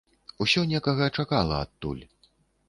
Усё некага чакала адтуль.